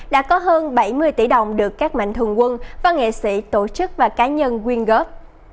đã có hơn bảy mươi tỷ đồng được các mạnh thường quân và nghệ sĩ tổ chức và cá nhân quyên góp